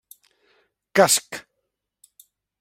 Casc: